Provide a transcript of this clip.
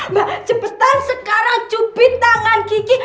mbak cepetan sekarang cupin tangan kiki